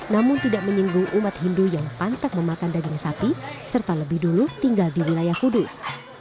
namun tidak menyinggung umat hindu yang pantas memakan daging sapi serta lebih dulu tinggal di wilayah kudus